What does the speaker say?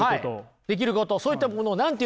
できることそういったものを何て言うんでしょう？